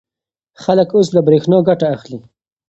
خلک اوس له برېښنا ګټه اخلي.